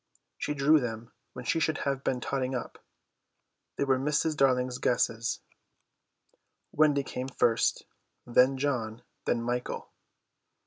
She drew them when she should have been totting up. They were Mrs. Darling's guesses. Wendy came first, then John, then Michael.